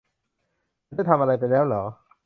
ฉันได้ทำอะไรไปแล้วหรอ